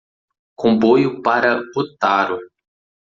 Comboio para Otaru